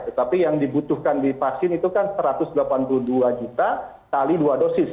tetapi yang dibutuhkan di vaksin itu kan satu ratus delapan puluh dua juta kali dua dosis